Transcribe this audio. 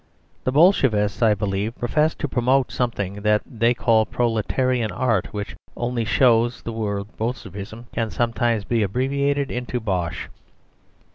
The Bolshevists, I believe, profess to promote something that they call "proletarian art," which only shows that the word Bolshevism can sometimes be abbreviated into bosh.